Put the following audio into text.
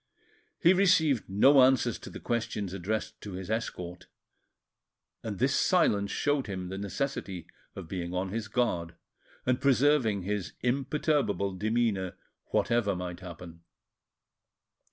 He received no answers to the questions addressed to his escort, and this silence showed him the necessity of being on his guard and preserving his imperturbable demeanour whatever might happen.